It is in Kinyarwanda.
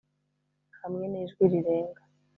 hamwe n'ijwi rirenga.